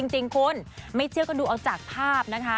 จริงคุณไม่เชื่อก็ดูเอาจากภาพนะคะ